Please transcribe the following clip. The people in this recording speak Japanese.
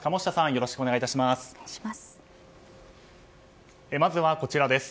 よろしくお願いします。